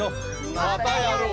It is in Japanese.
またやろう！